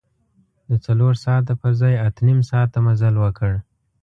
د څلور ساعته پر ځای اته نیم ساعته مزل وکړ.